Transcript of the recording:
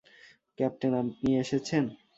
Captain, আপনি এসেছেন।